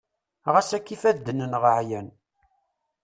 ɣas akka ifadden-nneɣ ɛyan